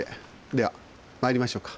では参りましょうか。